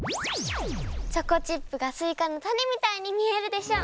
チョコチップがすいかのたねみたいにみえるでしょ。